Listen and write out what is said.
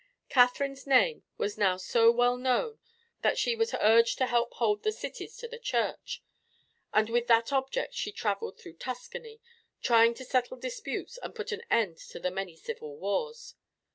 Catherine's name was now so well known that she was urged to help hold the cities to the Church, and with that object she traveled through Tuscany, trying to settle disputes and put an end to the many civil wars.